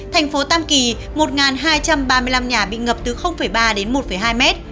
thành phố tam kỳ một hai trăm ba mươi năm nhà bị ngập từ ba đến một hai mét